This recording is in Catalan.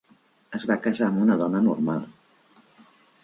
Es va casar amb una dona normal.